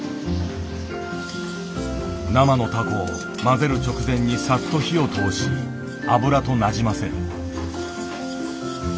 生のたこを混ぜる直前にサッと火を通し油となじませる。